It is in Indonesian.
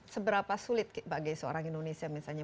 seberapa sulit bagi seorang indonesia misalnya